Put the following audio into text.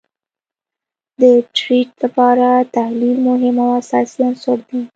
د ټریډ لپاره تحلیل مهم او اساسی عنصر دي